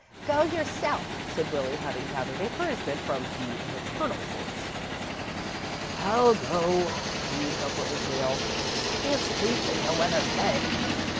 "Go yourself," said Willie, having gathered encouragement from the maternal source. "I'll go," wheezed Uncle Israel. "I can't sleep in no other bed.